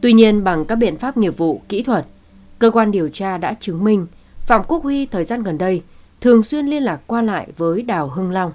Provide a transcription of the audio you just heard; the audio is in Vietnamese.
tuy nhiên bằng các biện pháp nghiệp vụ kỹ thuật cơ quan điều tra đã chứng minh phạm quốc huy thời gian gần đây thường xuyên liên lạc qua lại với đào hưng long